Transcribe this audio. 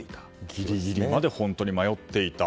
ギリギリまで本当に迷っていた。